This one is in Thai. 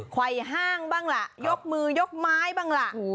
ไวห้างบ้างล่ะยกมือยกไม้บ้างล่ะ